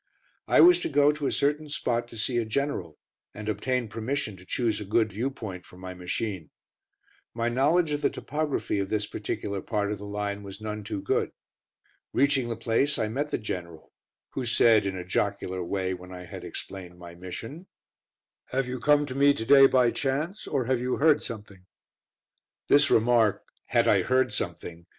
I was to go to a certain spot to see a general and obtain permission to choose a good view point for my machine. My knowledge of the topography of this particular part of the line was none too good. Reaching the place I met the General, who said, in a jocular way, when I had explained my mission: "Have you come to me to day by chance, or have you heard something?" This remark, "Had I heard something?"